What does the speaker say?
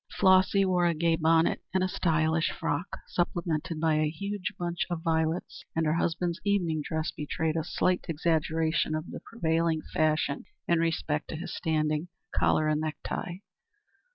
Flossy wore a gay bonnet and a stylish frock, supplemented by a huge bunch of violets, and her husband's evening dress betrayed a slight exaggeration of the prevailing fashion in respect to his standing collar and necktie.